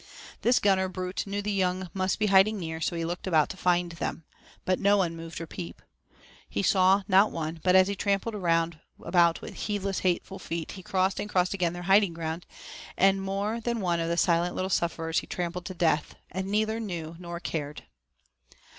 This gunner brute knew the young must be hiding near, so looked about to find them. But no one moved or peeped. He saw not one, but as he tramped about with heedless, hateful feet, he crossed and crossed again their hiding ground, and more than one of the silent little sufferers he trampled to death, and neither knew nor cared.